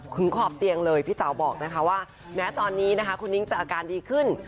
ขอบเตียงเลยพี่เต๋าบอกนะคะว่าแม้ตอนนี้นะคะคุณนิ้งจะอาการดีขึ้น